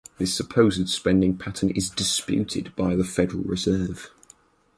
This supposed spending pattern is disputed by the Federal Reserve.